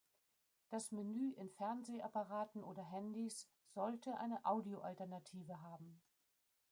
Das Menü in Fernsehapparaten oder Handys sollte eine Audio-Alternative haben.